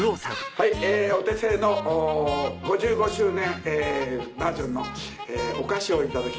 はいえお手製の５５周年バージョンのお菓子を頂きました。